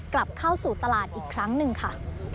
กลับเข้าสู่ตลาดอีกครั้งหนึ่งค่ะ